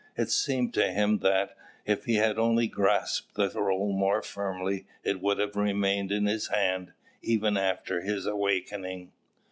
It seemed to him that, if he had only grasped the roll more firmly, it would have remained in his hand, even after his awakening.